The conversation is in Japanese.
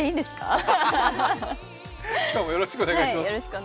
アハハ、今日もよろしくお願いします。